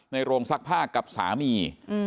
โรงซักผ้ากับสามี